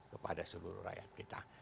kepada seluruh rakyat kita